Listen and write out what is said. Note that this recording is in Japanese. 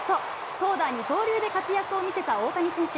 投打二刀流で活躍を見せた大谷選手。